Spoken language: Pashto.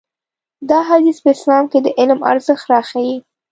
دا حديث په اسلام کې د علم ارزښت راښيي.